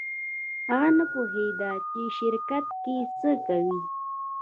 هغه نه پوهېده چې په شرکت کې څه کوي.